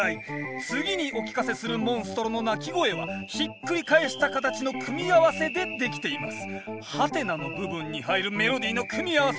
次にお聞かせするモンストロの鳴き声はひっくり返した形の組み合わせでできています